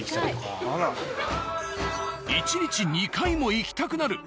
１日２回も行きたくなる。